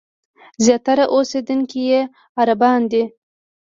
زیاتره اوسېدونکي یې عربان دي.